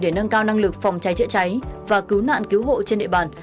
để nâng cao năng lực phòng cháy chữa cháy và cứu nạn cứu hộ trên địa bàn